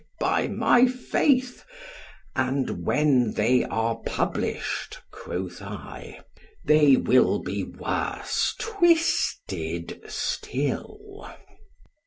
by my faith; and when they are published, quoth I,—— They will be worse twisted still.